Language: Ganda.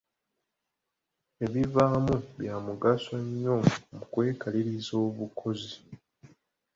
Ebivaamu bya mugaso nnyo mu kwekaliriza obukozi.